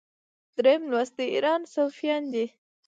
دریم لوست د ایران صفویان دي.